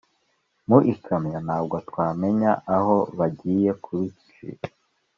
mu ikamyo, ntabwo twamenye aho bagiye kubicira